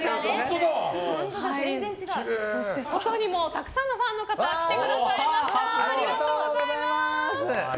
外にもたくさんのファンの方来てくださいました。